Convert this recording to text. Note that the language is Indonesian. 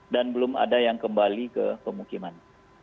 dan belum ada yang kembali ke pemukiman